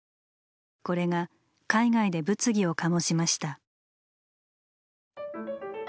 これが海外で物議を醸しました。